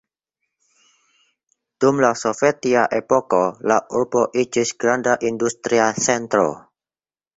Dum la Sovetia epoko la urbo iĝis granda industria centro.